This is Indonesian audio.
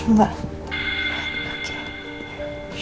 mbak andien mau sama aku suapin